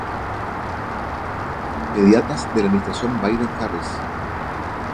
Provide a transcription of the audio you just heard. Las Prioridades Inmediatas de la Administración Biden-Harris